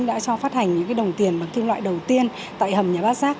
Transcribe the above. đã cho phát hành những đồng tiền bằng kim loại đầu tiên tại hầm nhà bát giác